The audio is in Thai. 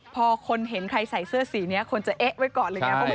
พอคนเห็นใครใส่เสื้อสีนี้คนจะเอ๊ะไว้ก่อนเลยไง